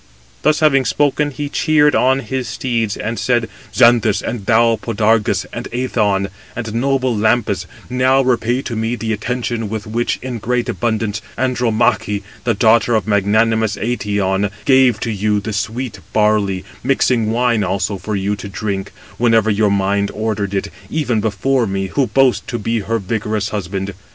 Thus having spoken, he cheered on his steeds, and said: "Xanthus, and thou Podargus, and Æthon, and noble Lampus, now repay to me the attention, with which, in great abundance, Andromache, the daughter of magnanimous Eetion, gave to you the sweet barley, mixing wine also [for you] to drink, whenever your mind ordered it, even before me, who boast to be her vigorous husband.